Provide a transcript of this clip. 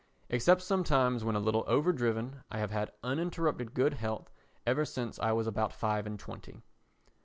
Except sometimes, when a little over driven, I have had uninterrupted good health ever since I was about five and twenty.